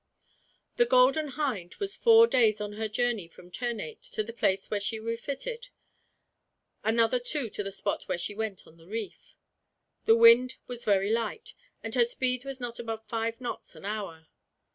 "The Golden Hind was four days on her journey from Ternate to the place where she refitted; another two to the spot where she went on the reef. The wind was very light, and her speed was not above five knots an hour.